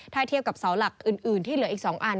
ถ้าเทียบกับเสาหลักอื่นที่เหลืออีก๒อัน